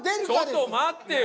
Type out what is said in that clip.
ちょっと待ってよ。